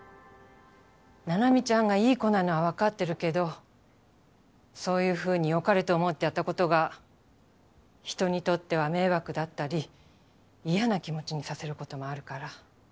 菜々美ちゃんがいい子なのは分かってるけどそういうふうによかれと思ってやったことが人にとっては迷惑だったり嫌な気持ちにさせることもあるから。